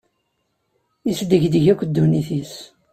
Isdegdeg akk ddunit-is.